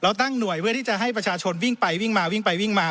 เราตั้งหน่วยเพื่อที่จะให้ประชาชนวิ่งไปวิ่งมา